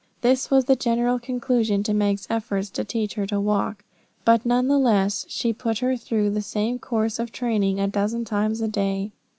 This was the general conclusion to Meg's efforts to teach her to walk, but none the less she put her through the same course of training a dozen times a day.